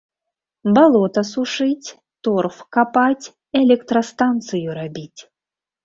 Балота сушыць, торф капаць, электрастанцыю рабіць.